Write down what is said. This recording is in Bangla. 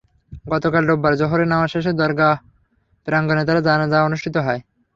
গতকাল রোববার জোহরের নামাজ শেষে দরগাহ প্রাঙ্গণে তাঁর জানাজা অনুষ্ঠিত হয়।